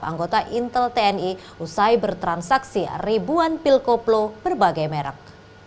anggota intel tni usai bertransaksi ribuan pilkoplo berbagai merek